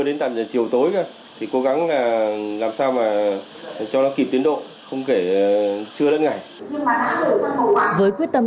đến tận chiều tối thì cố gắng là làm sao mà cho nó kịp tiến độ không kể chưa đến ngày với quyết tâm